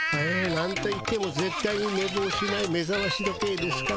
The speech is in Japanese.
なんといってもぜっ対にねぼうしないめざまし時計ですから。